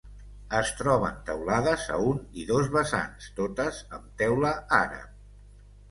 Es troben teulades a un i dos vessants, totes amb teula àrab.